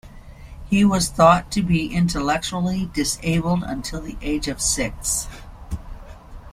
He was thought to be intellectually disabled until the age of six.